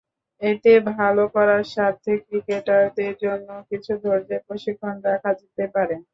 এতে ভালো করার স্বার্থে ক্রিকেটারদের জন্য কিছু ধৈর্যের প্রশিক্ষণ রাখা যেতে পারে।